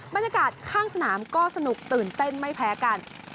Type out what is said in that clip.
บรรยากาศข้างสนามก็สนุกตื่นเต้นไม่แพ้กัน